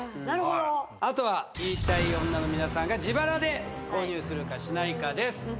なるほどあとは言いたい女の皆さんが自腹で購入するかしないかです